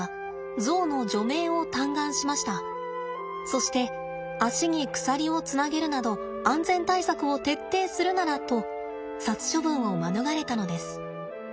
そして肢に鎖をつなげるなど安全対策を徹底するならと殺処分を免れたのです。